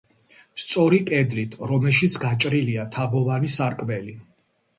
სწორი კედლით, რომელშიც გაჭრილია თაღოვანი სარკმელი.